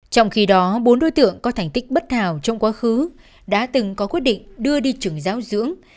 trong khi đó bốn đối tượng có thành tích bất hảo trong quá khứ đã từng có quyết định đưa đi trường giáo dưỡng